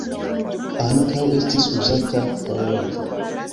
Ankaŭ estis uzata horloĝo.